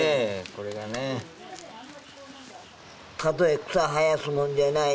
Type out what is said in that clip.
これがね「角へ草生やすもんじゃない」